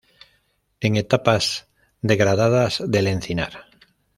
En etapas degradadas del encinar.